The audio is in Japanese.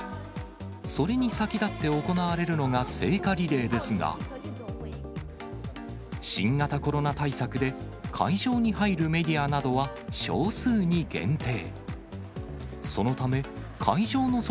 それに先立って行われるのが聖火リレーですが、新型コロナ対策で、会場に入るメディアなどは少数に限定。